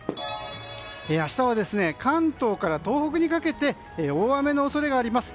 明日は関東から東北にかけて大雨の恐れがあります。